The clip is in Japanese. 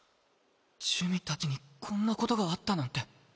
珠魅たちにこんなことがあったなんて。